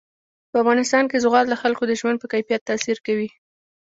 په افغانستان کې زغال د خلکو د ژوند په کیفیت تاثیر کوي.